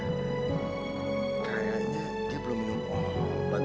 kayaknya dia belum minum obat